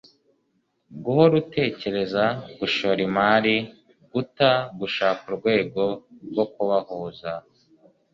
guhora utekereza, gushora imari, guta, gushaka urwego rwo kubahuza